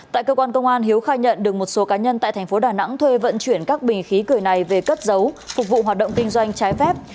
tại cơ quan công an hiếu khai nhận được một số cá nhân tại tp đà nẵng thuê vận chuyển các bình khí cười này về cất giấu phục vụ hoạt động kinh doanh trái phép